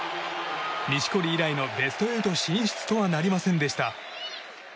錦織以来のベスト８進出とはなりませんでした。